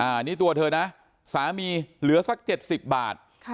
อันนี้ตัวเธอนะสามีเหลือสัก๗๐บาท